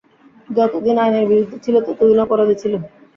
যতদিন আইনের বিরুদ্ধে ছিলো ততদিন অপরাধী ছিলো।